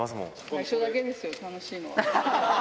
最初だけですよ、楽しいのは。